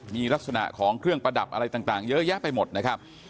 มีลักษณะของเครื่องประดับอะไรต่างเยอะแยะไปหมดนะครับ